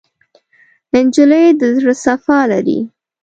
نجلۍ د زړه صفا لري.